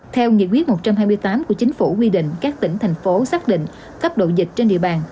theo nghị quyết một trăm hai mươi tám của chính phủ quy định các tỉnh thành phố xác định cấp độ dịch trên địa bàn